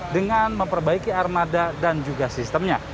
dengan memperbaiki armada dan juga sistemnya